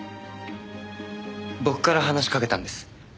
僕から話しかけたんです。